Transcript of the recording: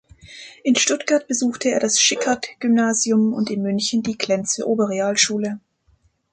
In Stuttgart besuchte er das Schickhardt-Gymnasium und in München die Klenze-Oberrealschule.